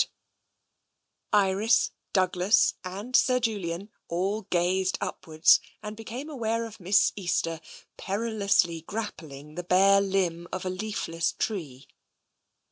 TENSION 209 Iris, Douglas and Sir Julian all gazed upwards and became aware of Miss Easter, perilously grappling the bare limb of a leafless tree.